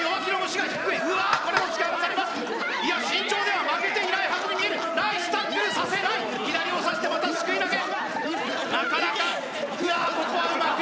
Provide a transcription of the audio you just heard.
いや身長では負けていないはずに見えるナイスタックルさせない左を差してまた掬い投げなかなかうわあ